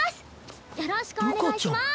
よろしくお願いします！